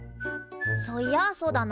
そういやあそうだな。